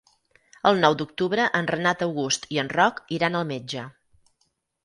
El nou d'octubre en Renat August i en Roc iran al metge.